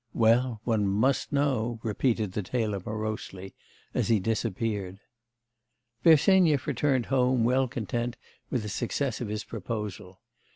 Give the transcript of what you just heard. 'Well, one must know,' repeated the tailor morosely, as he disappeared. Bersenyev returned home, well content with the success of his proposal.